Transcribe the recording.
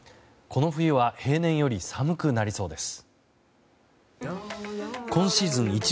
この冬は平年より寒くなりそうです。